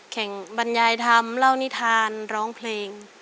บรรยายธรรมเล่านิทานร้องเพลง